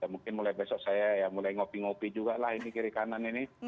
mungkin mulai besok saya ya mulai ngopi ngopi juga lah ini kiri kanan ini